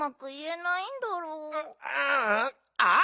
あっ！